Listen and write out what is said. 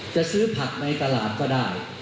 จะซื้อผักในตลาดก็ได้